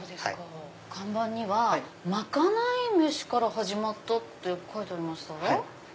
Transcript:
看板には賄い飯から始まったって書いてありました？